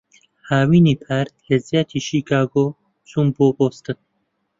هاوینی پار، لەجیاتیی شیکاگۆ چووم بۆ بۆستن.